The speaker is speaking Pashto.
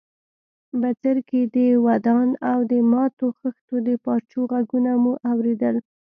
بڅرکي، دودان او د ماتو خښتو د پارچو ږغونه مو اورېدل.